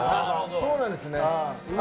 そうなんですね。